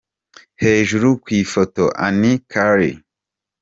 Hejuru ku ifoto : Annie Carrie.